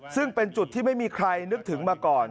ซึ่งเป็นจุดที่ไม่มีใครนึกถึงมาก่อน